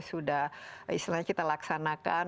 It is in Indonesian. sudah istilahnya kita laksanakan